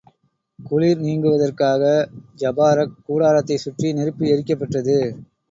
குளிர் நீங்குவதற்காக ஜபாரக் கூடாரத்தைச் சுற்றி நெருப்பு எரிக்கப் பெற்றது.